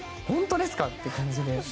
本当ですか！？っていう感じで。